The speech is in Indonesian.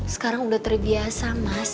sekarang udah terbiasa mas